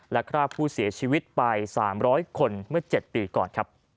และคราบผู้เสียชีวิตไป๓๐๐คนเมื่อ๗ปีก่อน